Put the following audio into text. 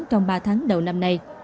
trong ba tháng đầu năm này